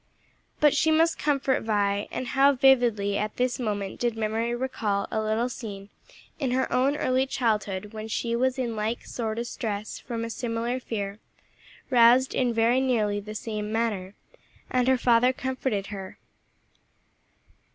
But she must comfort Vi, and how vividly at this moment did memory recall a little scene in her own early childhood when she was in like sore distress from a similar fear, roused in very nearly the same manner; and her father comforted her.